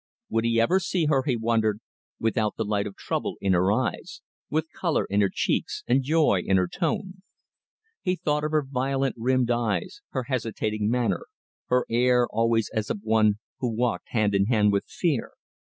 Would he ever see her, he wondered, without the light of trouble in her eyes, with colour in her cheeks, and joy in her tone? He thought of her violet rimmed eyes, her hesitating manner, her air always as of one who walked hand in hand with fear.